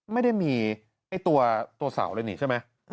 ไม่ได้มีตัวสาวเลยใช่ไหม